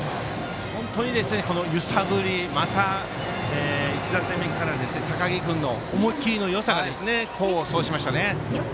本当に揺さぶってきて１打席目からの高木君の思い切りのよさが功を奏しました。